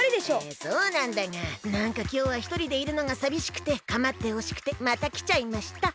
そうなんだがなんかきょうはひとりでいるのがさびしくてかまってほしくてまたきちゃいました。